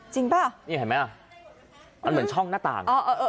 ป่ะนี่เห็นไหมอ่ะมันเหมือนช่องหน้าต่าง